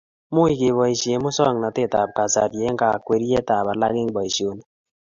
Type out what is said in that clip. Muut, keboisye musoknatetab kasari eng kakwerietab alak eng boisionik.